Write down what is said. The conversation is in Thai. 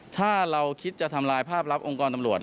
ถ้าเราคิดจะทำลายภาพลับองค์กรตำรวจ